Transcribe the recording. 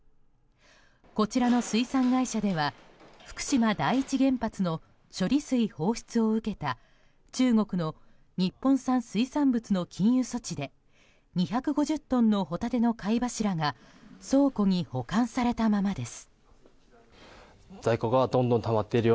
こちらの水産会社では福島第一原発の処理水放出を受けた中国の日本産水産物の禁輸措置で２５０トンのホタテの貝柱が倉庫に保管されたままです。